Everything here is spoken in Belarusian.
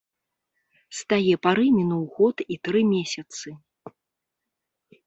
З тае пары мінуў год і тры месяцы.